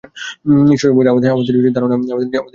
ঈশ্বর-সম্বন্ধে আমাদের ধারণা আমাদের নিজ নিজ চিন্তার প্রতিচ্ছবি।